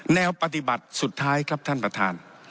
แนวปฏิบัติสุดท้ายครับท่านประธาน